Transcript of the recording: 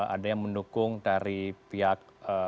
ada yang mendukung dari pihak